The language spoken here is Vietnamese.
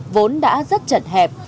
vốn đã rất trật hẹp